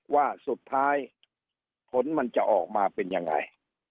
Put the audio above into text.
ว่าสุดท้ายผลมันจะออกมาเป็นยังไง